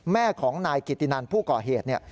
แม่ของนายกิตตินันผู้ก่อเหตุ